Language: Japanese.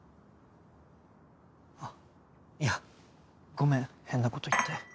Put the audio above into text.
あっいやごめん変なこと言って。